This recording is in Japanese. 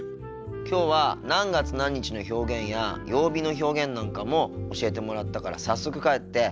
きょうは何月何日の表現や曜日の表現なんかも教えてもらったから早速帰って復習しようと思ってるよ。